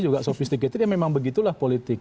juga sophisticated ya memang begitulah politik